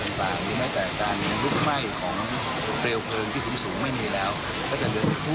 แต่แป้งจากว่ากระดาษที่เปลี่ยนเครื่องเปลืองมันทำให้การดับ